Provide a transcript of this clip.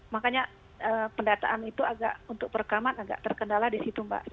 makanya pendataan itu agak untuk perekaman agak terkendala di situ mbak